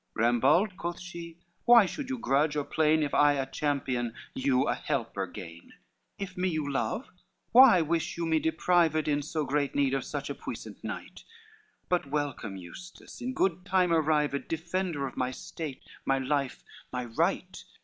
"Rambald," quoth she, "why should you grudge or plain, If I a champion, you an helper gain? LXXXIV "If me you love, why wish you me deprived In so great need of such a puissant knight? But welcome Eustace, in good time arrived, Defender of my state, my life, my right.